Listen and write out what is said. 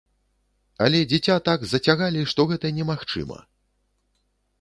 Але дзіця так зацягалі, што гэта немагчыма.